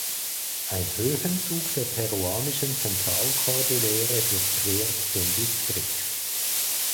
Ein Höhenzug der peruanischen Zentralkordillere durchquert den Distrikt.